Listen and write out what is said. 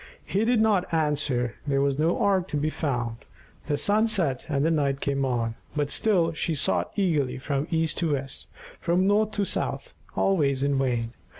He did not answer; there was no ark to be found. The sun set and the night came on, but still she sought eagerly from east to west, from north to south, always in vain.